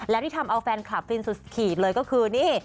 และที่ทำเอาแฟนคลับฟินสุดขีดเลยก็คือนี่